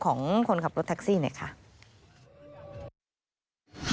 มันเกิดเหตุเป็นเหตุที่บ้านกลัว